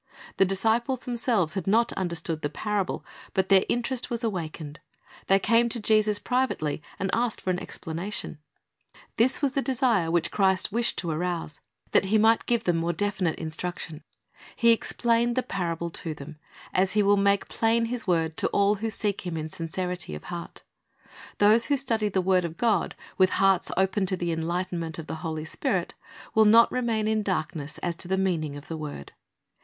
The disciples themselves had not understood the parable, but their interest was awakened. They came to Jesus privately, and asked for an explanation. This was the desire which Christ wished to arouse, that I Matt. 3:2 2. Matt. 13:37 36 Christ's Object Lessons He might give them more definite instruction. He explained the parable to them, as He will make plain His word to all who seek Him in sincerity of heart. Those w^ho study the word of God with hearts open to the enlightenment of the Holy Spirit, will not remain in darkness as to the meaning" of the word.